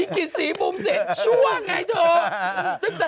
อีกกี่สีปุ่มเสร็จชั่วไงเถอะ